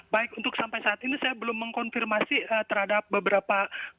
baik untuk sampai saat ini saya belum mengkonfirmasi terhadap beberapa